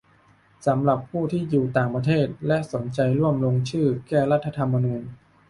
สำหรับผู้ที่อยู่ต่างประเทศ และสนใจร่วมลงชื่อแก้รัฐธรรมนูญ